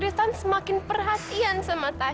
jadi hanya satu